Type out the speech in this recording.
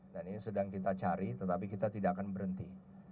ini sedang kita cari tetapi kita tidak akan berhenti